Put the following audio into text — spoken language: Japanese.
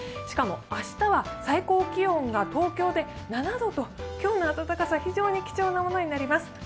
しかも、明日は最高気温が東京で７度と、今日の暖かさ、非常に貴重なものになります